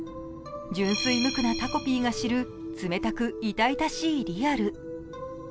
純粋無垢なタコピーが知る冷たく痛々しいリアル。